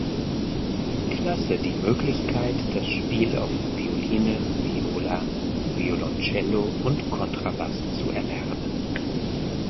Klasse die Möglichkeit, das Spiel auf Violine, Viola, Violoncello und Kontrabass zu erlernen.